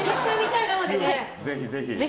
ぜひぜひ。